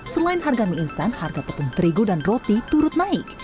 selain harga mie instan harga tepung terigu dan roti turut naik